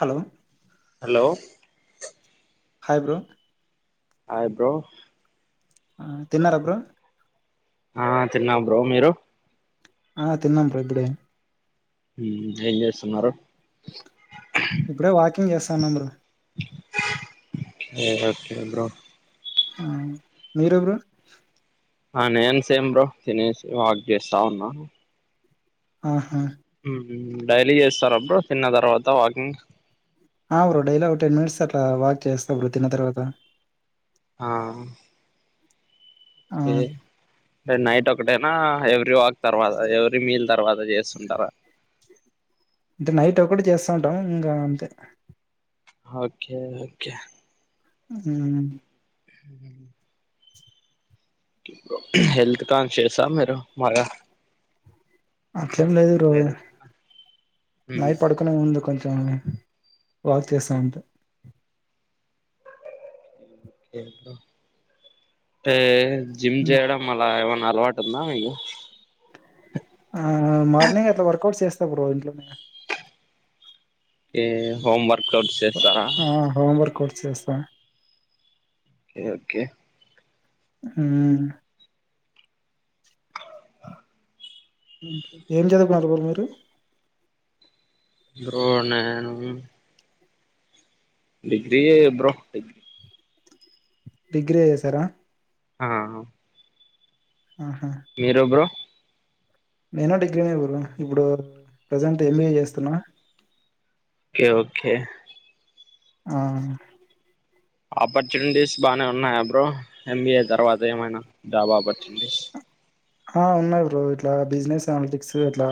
Hello hello hi bro hi bro ఆ తిన్నారా bro ఆ తిన్నా బ్రో మీరు ఆ తిన్నాం బ్రో ఇప్పుడే ఏం చేస్తున్నారు ఇప్పుడే వాకింగ్ చేస్తాన్నా బ్రో ఓకే బ్రో మీరెవరు ఆ నేను సేమ్ బ్రో తినేసి వాక్ చేస్తా ఉన్నా హా డైలీ చేస్తారు అప్పుడు తిన్న తర్వాత వాకింగ్ ఆ బ్రో డైలీ అ టెన్ మినిట్స్ అట్లా వాక్ చేస్తార తిన్న తర్వాత ఆ ఆ టే నైట్ ఒకటేనా ఎవ్రీ వాక్ తర్వాత ఎవరి మీల్ తర్వాత చేస్తుంటారా అంటే నైట్ ఒకటి చేస్తా ఉంటాం ఇంకా అంతే ఓకే ఓకే ఉహు హెల్త్ కాన్షియస్ మీరు బాగా అట్లేం లేదు రో లేదా నైట్ పడుకునే ముందు ఉంది కొంచెం ఆ వాక్ చేస్తా ఉంట ఏ జిమ్ చేయడం అలా ఏమన్ అలవాతుంద మీగు ఆ మార్నింగ్ అట్లా వర్కౌట్స్ చేస్తా బ్రో ఇంట్లనే టే హోమ్ వర్క్ ఔట్ చేస్తారా చేస్త కె ఓకే ఆ ఏం జదుకానరు బొ మీర్ హు బ్రో నేను డిగ్రీ ఎ బ్రో డిగ్ డిగ్రీ ఎసారా ఆ మీరు బ్రో నేన డిగ్రీనే బ్రో ఇప్పుడు ప్రజెంట్ ఎంబిఏ చేస్తున్నా కె ఒకే ఆ ఆపర్చునిటీస్ బానే ఉన్నాయా బ్రో ఎంబీఏ తర్వాత ఏమైనా జాబ్ ఆపర్చునిటీస్ ఆ ఉన్నాయి బ్రో ఇట్లా బిజినెస్ అనల్టిక్స్ ఇట్ల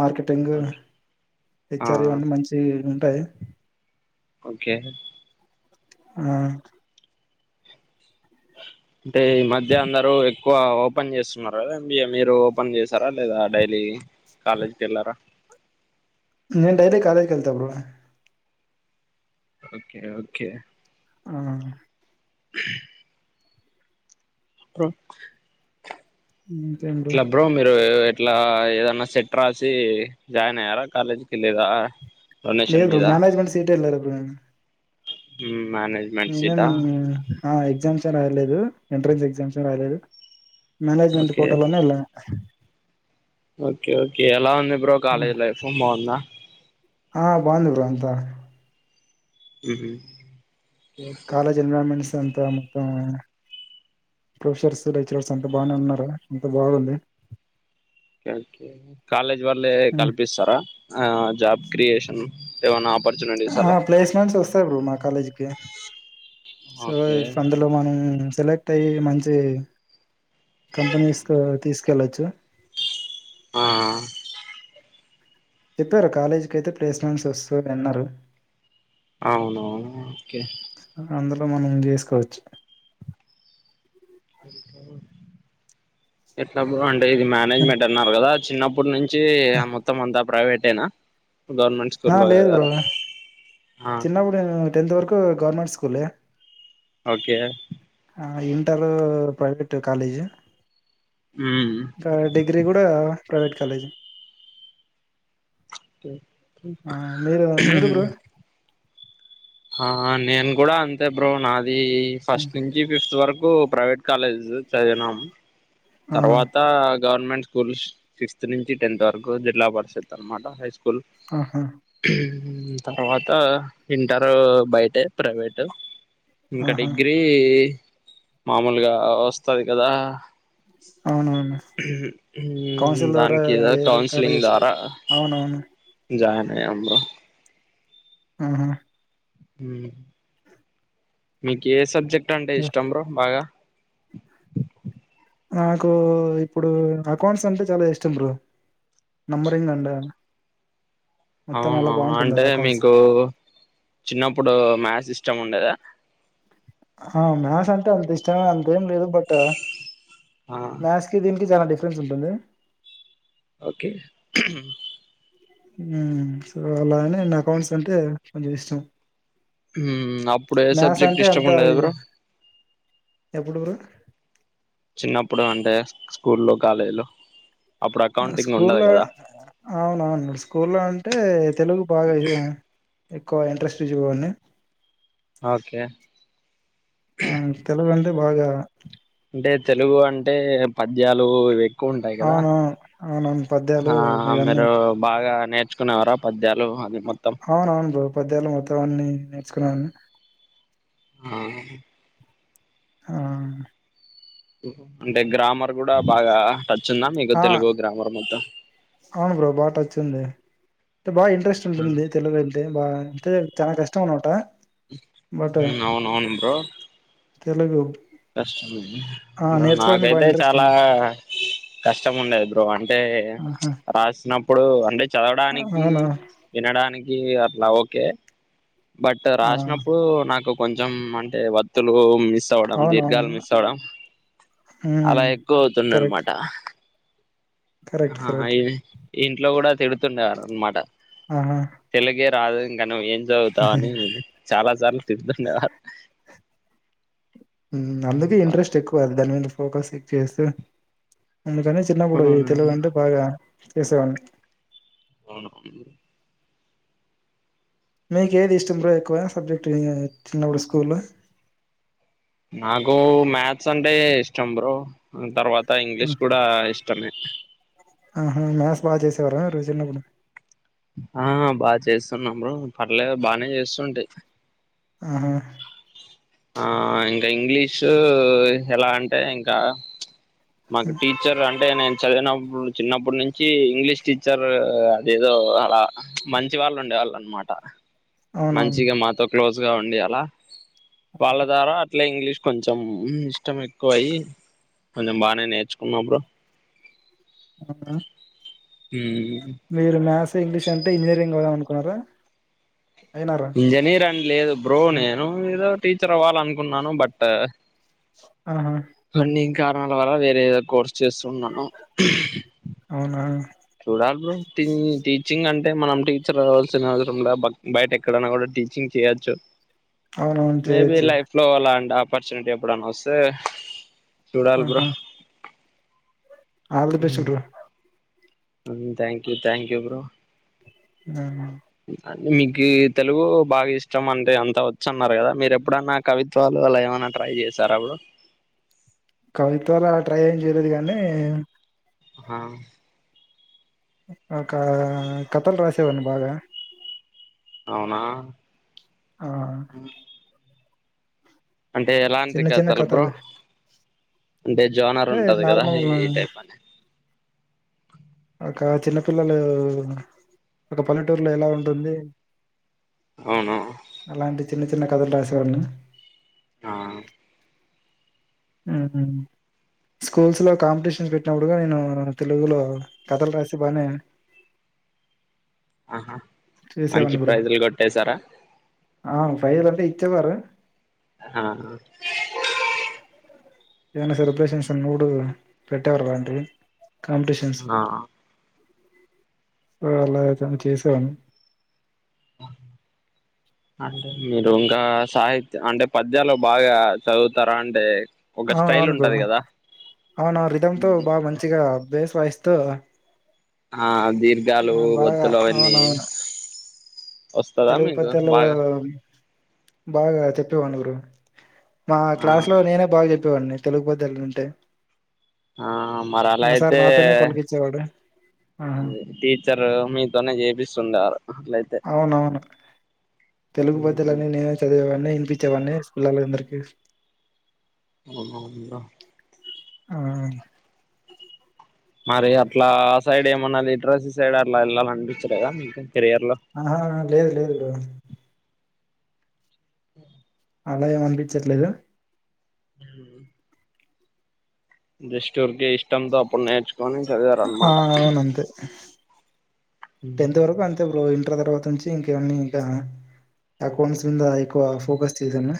మార్కెటింగ్, ఓకే ఆ హెచ్ఆర్ ఇవన్ని మంచీ ంటే ఓకే ఆ అంటే ఈ మధ్య అందరు ఎక్కువ ఓపెన్ చేస్తున్నార కదా ఎంబిఏ మీరు ఓపెన్ చేసారా లేదా డైలీ కాలేజ్కి వెళ్ళారా నేన్ డైలీ కాలేజ్ కెళ్త బ్రో ఓకే ఓకే ఆ [inaudible] అ ట్ల బ్రో మీరూ ఏ అట్లా ఏదన్న సెట్ రాసి జాయిన్ అయ్యారా కాలేజ్ కి లేదా డొనేషన్ లేదు మేనేజ్మెంట్ సీట్ ఎల్లర్ ప్పుడైన హమ్ [unintelligible] అ ఎగ్జామ్సే రాయలేదు ఎంట్రన్స్ ఎగ్జామ్సే రాయలేదు మ్యనేేజ్మెంట్ కోటలోనే ఎల్లా ఒకే ఒకే ఎలా ఉంది బ్రో ఆ! కాలేజ్ లైఫ్ బాగుంద ఆ బాగుంది బ్రో అంతా మ్మహ్ కాలేజ్ ఎన్విరాన్మెంట్స్ అంత అ మొత్తం ప్రొఫెసర్స్ లెక్చరర్స్ అంత బానే ఉన్నారా అంత బాగుంది ఓకే ఓకే కాలేజ్ వలే హ్మ్. కల్పిస్తారా ఆ జాబ్ క్రియేషన్ ఏమన్నా ఆపర్చునిటీస్ ఆ! అలా ప్లేస్‌మెంట్స్ ఒస్తాయి బ్రో మా కాలేజ్‌కి. సో ఓకే ఈఫ్ అందులో మనం సెలెక్ట్ అయ్యి మంచి కంపనీస్ కు తీసు కెల్లొచ్చు ఆ చెప్పారు కాలేజీకైతే ప్లేస్మెంట్స్ వస్తాది అన్నారు అవునువును ఓకే అందులో మనం జేసుకోవచ్చు ఎట్లా అంటే ఇది మేనేజ్మెంట్ అన్నారు కదా చిన్నప్పుటి నుంచి చి అమ్మతో మందాప ప్రైవేట్ ఏనా గవర్నమెంట్ ఆ లేదు బ్రో స్కూల్లోగదారా చిన్నప్పుడు నే టెన్త్ వరకు గవర్నమెంట్ స్కూల్ కులే ఓకే ఆ ఇంటరు ప్రైవేట్ కాలేజ్ మ్మ్ ఇకా డిగ్రీ కూడా ప్రైవేట్ కాలేజ్ ఓకే ఆ మీరు మీరు బ్రో ఆ నేను కూడా అంతే బ్రో నాది ది ఫస్ట్ నుంచి ఫిఫ్త్ వరకు కు ప్రైవేట్ కాలేజ్స్ చదివినాం ఆహా తర్వాతా గవర్నమెంట్ స్కూల్స్ ఫిఫ్త్ నుంచి టెన్త్ వరకు జిల్లా పరిషత్ అనమాట హై స్కూల్ ఆహా కుల్ మ్మ్ తర్వాత ఇంటరు బయటే ప్రైవేటు ఇంకా ఆహా డిగ్రీ మామూలుగా వస్తది కదా అవునవును ఉమ్ కౌన్సిల్ ద్వారా దానికిద ఏది కౌన్సిలింగ్ కాలేజెస్ ద్వారా అవునవును జాయిన్ అయ్యాం బ్రో ఆహా మీకి ఏ సబ్జెక్ట్ అంటే ఇష్టం బ్రో బాగా నాకు ఇప్పుడు అకౌంట్స్ అంటే చాలా ఇష్టం బ్రో నంబరింగ్ అంటే అవునవును అంటే మీకు చిన్నప్పుడు మ్యాస్ ఇష్టం ఉండేదా ఆ మ్యాస్ అంటే అంత ఇష్టమే అంతేం లేదు బట్ మ్యాస్ కి దీనికి చాలా డిఫెరెంట్ ఉంటుంది ఓకే ఉమ్.. సో అలానే అకౌంట్స్ అంటే కొంచెం ఇష్టం ఉమ్ అప్పుడు ఏ మ్యాథ్స్ సబ్జెక్ట్ అంటే ఇష్టం అంత ఉండేది బ్రో ఎప్పుడు గురు చిన్నప్పుడు అంటే స్కూళ్లు కాలేజీలు స్కూల్లో అవునవును స్కూల్ల్లో అంటే తెలుగు బాగా ఎక్కువ ఇంట్రెస్ట్ ఇచ్చేవాడిని ఓకే ఆ తెలుగండి బాగా అంటే తెలుగు అంటే పద్యాలు ఇక్ అవునవును అవునవును ఆ పద్యాలు ఇవన్నీ మీరు బాగా నేర్చుకునేవారా ప ద్యాలు అది మొత్తం పధ్యాలు మొత్తం అవి అన్ని నేర్చుకున్నాను ఆ ఆ అంటే గ్రామ మర్ కూడా బాగా టచ్ ఉందా మీకు ఆ తెలుగు గ్రామర్ మొత్తం అవును బ్రో బాగా టచ్ ఉంది అంటే బాగా ఇంట్రెస్ట్ ఉంటుంది తెలుగు అంటే బాగా అంటే చాలా కష్టం అనమాట బట్ ఉమ్ అవును అవును బ్రో తెలుగు కష్టమ ఆ బ్రో నేర్చుకోవడానికి బాగా నాకైతే ఇంట్రెస్ట్ చాలా ఉండ కష్టం ఉండేది బ్రో అంటే ఆహా రాసినప్పుడు ఇప్పుడు అంటే చదవడానికి అవునా వినడానికి అట్లా ఓకే బట్ ఆ రాసినప్పుడు నాకు కొంచెం అంటే వత్తులు మిస్ అవడం దీర్ఘాల అవునవును మిస్ అవడం ఉమ్ అలా ఎక్కువ అవుతుంది కరెక్ట్ అనమాట కరెక్ట్ ఆ ఐ కరెక్ట్ ఇంట్లో కూడా తిడుతుండేవారు అనమాట ఆహా తెలుగే రాదు ఇంక నువ్వేం చదువుతావని చాలా సార్లు తిరుతుండేవారు అందుకే ఇంట్రెస్ట్ ఎక్కువ అది దాని మీద ఫోకస్క్ చేస్తే ఎందుకంటే చిన్నప్పుడు ఈ తెలుగు అంటే బాగా ఎసవను అవున మీకు ఏది ఇష్టం బ్రో ఎక్కువ సబ్జెక్ట్ చిన్నప్పుడు స్కూల్లో నాకు మ్యాథ్స్ అంటే ఇష్టం బ్రో తర్వాత ఇంగ్లీష్ కూడా ఇష్టమే ఆహ మ్యాథస్ బాగా చేసేవారా రో చిన్నప్పుడు ఆ బాగా చేస్తున్నార పర్లేదు బాగానే చేస్తుంటి ఆహా ఆ ఇంకా ఇంగ్లీషు ఎలా అంటే ఇంకా మాకు టీచర్ అంటే నేను చదివినప్పుడు చిన్నప్పటి నుంచి ఇంగ్లీష్ టీచర్ అదేదో అలా మంచి వాళ్ళు ఉండేవాళ్ళు అనమాట ట అవునవును మంచిగా మాతో క్లోజ్ గా ఉండి అలా వాళ్ళదారా ఇట్లా ఇంగ్లీష్ కొంచెం ఇష్టం ఎక్కువ అయి కొంచెం బాగానే నేర్చుకున్నప్పుడు అవు మీరు మ్యాథ్స్ ఇంగ్లీష్ అంటే ఇంజనీరింగ్ అవుదాం అనుకో [unintelligible] ఇంజనీర్ అని లేదు బ్రో ఆ, నేను ఏదో టీచర్ అవ్వాల అనుకున్నాను బట్ ఆహా అన్ని ఇంకా [unintelligible] వేరే ఏదో కోర్స్ చేస్తున్నాను అవునా చూడాలి బ్రోటీ టీచింగ్ అంటే మనం టీచర్ అవ్ల్సిన అవసరం బయట ఎక్కడన్నా కూడా టీచింగ్ చేయచ్చు అవునవును మేబి చేయొచ్చు లైఫ్ లో అలా అంట ఆ ఒప్పోర్ట్యూనిటీ ఎప్పుడనవస్తే చూడాలి బ్రో ఆహా ఆల్ ది బెస్ట్ గురు thank you thank you bro ఆ అది మీకి తెలుగు బాగా ఇష్టం అంటే అంత వచ్చు అన్నారు కదా మీరు ఎప్పుడన్నా కవిత్వాలు అలా ఏమైన్నా ట్రై చేశారా బ్రో కవిత్వాలా ట్రై ఏం చేయలేదు కానీ హా ఒకా కథలు రాసేవాన్ని బాగా అవునా ఆ అంటే ఎలాంటి చిన్న చిన్న కథలు బ్రో అంటే జోనార్ అంటే ఉంటది కదా నార్మల్ ఈ టైప్ అని ఒక చిన్నపిల్లలు ఒక పల్లెటూరులో ఎలా ఉంటుంది అవును అలాంటి చిన్న చిన్న కథలు రాసేవాని ఆ స్కూల్స్ లో కాంపిటీషన్స్ పెట్టినప్పుడుగా నేను తెలుగులో కథలు రాసి బానే ఆహా మంచి చేసేవాడిని బ్రో ప్రైజులు కొట్టేేసారా ఆ ఫైర పిచ్చగోరు ఆ హ ఏమన్న సెలబ్రేషన్స్ ఉన్నో డు పెట్టారు వంటివి కాంపిటీషన్స్ ఆ సో ఎలా అయితేనే చేసెవాన్ని. అంటే మీరు ఇంకా సాహిత్య అంటే పద్యాలు బాగా చదువుతారా అంటే ఒక స్టైల్ అవునవున్ బ్రో ఉంటది కదా అవున రిధమ్ తో బాగా మంచిగా అ భేస్ వైస్తవ్ గా ఆ దీర్ఘాలు ఒత్తులు అవన్నీ అవునవును వస్తదా తెలుగు మీకు పద్యల్లో బాగా బాగా చెప్ పేవాన్ని బ్రో మా ఆ క్లాస్ లో నేనే బాగా చెప్ చెప్పేవాడ్ని తెలుగు పద్యాలుంటే ఆ మరి అలా అయితే. పలికిచ్చేవాడు ఆహా అది టీచర్ మీతోనే చేపిస్తుండే వారు అట్లయితే అవునవును తెలుగు పద్యాలన్ని నేనే చది ఇవన్నీ ఇనీపించేవన్ని స్కూళ్ళలో అందరి కి ఓ హొ ఉందా ఆ మరి అట్లా ఆ సైడ్ ఏమన్నా ఇట్రసీ సైడ్ అట్లా వెళ్ళాలి అనిపంచ లేదా. మీకు కెరియర్ లో ఆహా లేదు లేదు బ్రో హా అలా ఏం అనిపించట్లేదు ఉహ్మ్ హు జస్ట్ ఊర్కే ఇష్టంతో అప్పుడు నేర్చ్ ఆ అవునంతే టెంత్ వరకు అంతే బ్రో తర్వాత నుంచి ఇంకావన్ని ఇంకా అకౌంట్స్ మింద ఎక్కువ ఫోకస్ చేశాను.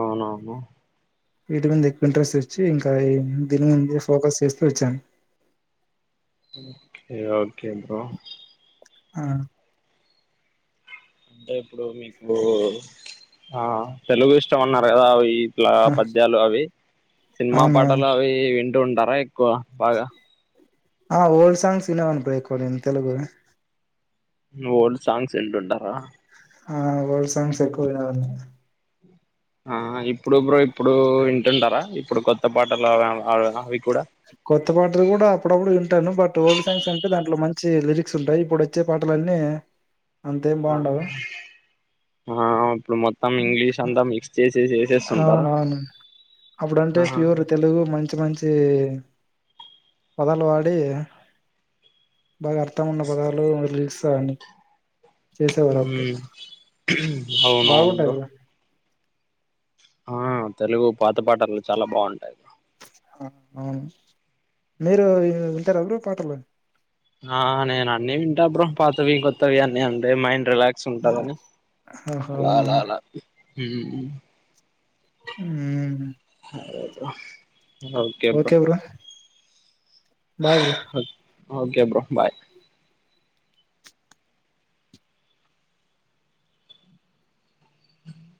అవున బ్రో వీటి మీద ఎక్కువ ఇంట్రెస్ట్ వచ్చి. ఇంకా దీని మీద ఫోకస్ చేస్తూ వచ్చాను. ఓకే ఓకే బ్రో ఆ అంటే ఇప్పుడు మీకు ఆ తెలుగు ఇష్టం అన్నారు కదా వి ఇట్లా ఆ పద్యాలు అవి సినిమా అవును పాటలు అవి విం టుంటార ఎక్కువ బాగా ఆ ఓల్డ్ సాంగ్స్ వినేవాని బ్రో ఎక్కువ తెలుగువి ఓల్డ్ సాంగ్స్ వింటుంటారా. ఆ ఓల్డ్ సాంగ్స్ ఎక్కువ వినాలనిపి ఆ ఇప్పుడు బ్రో ఇప్పుడు వింటుంటారా. ఇప్పుడు కొత్త పాటల్ కొత్త పాటలు కూడా అప్పుడప్పుడు వింటాను బట్ ఓల్డ్ సాంగ్స్ అంట్ టే దాంట్లో మంచి లిరిక్స్ ఉంటాయి. ఇప్పుడు వచ్చే పాటలన్నీ అంతేం ఆ బాగుండవూ ఆ అవును వేసేస్తుంటారు అవునవును అప్పుడంటే ఆహా ప్యూర్ తెలుగు మంచి మంచి మంచి పదలు వాడి బాగా అర్థం ఉన్న పదాలు రిలీజ్ సని అవును బాగుంటాయి ఆ తెలుగు పాత పాటలు చాలా బాగుంటాయి ఆ అవును మీరు వింటారు ఎదురు పాటలు ఆ నేను అన్ని వింటా బ్రో పాతవి కొత్తవి అన్నీ అంటే మ రిలాక్స్ ఉంటందిని ఆహా అలా అవునా అలా అలా హ్మ్ హ్మ్ అవు [unintelligible] okay bro bye bro okay bro bye అ